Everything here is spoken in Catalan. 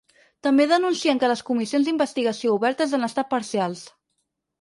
També denuncien que les comissions d’investigació obertes han estat “parcials”.